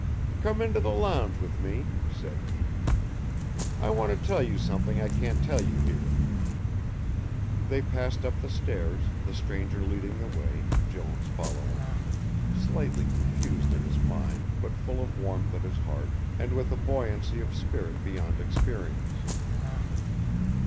"Come into the lounge with me," said he, "I want to tell you something I can't tell you here." They passed up the stairs, the stranger leading the way, Jones following, slightly confused in his mind but full of warmth at his heart, and with a buoyancy of spirit beyond experience.